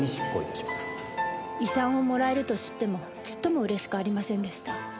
遺産をもらえると知ってもちっとも嬉しくありませんでした。